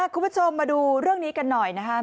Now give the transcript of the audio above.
คุณผู้ชมมาดูเรื่องนี้กันหน่อยนะครับ